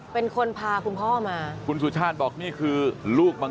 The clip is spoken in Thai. ผมกลับมาส่งเอง